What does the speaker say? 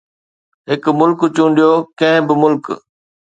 هڪ ملڪ چونڊيو، ڪنهن به ملڪ